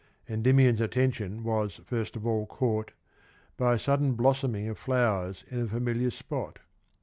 Endymion's attention was first of all caught by a sudden blossoming of flowers in a familiar spot.